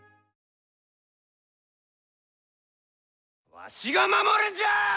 わしが守るんじゃあ！